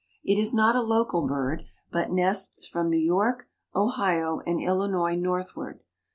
It is not a local bird, but nests from New York, Ohio, and Illinois northward.